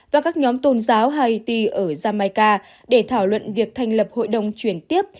và các nhóm tôn giáo haiti ở jamaica để thảo luận việc thành lập hội đồng chuyển tiếp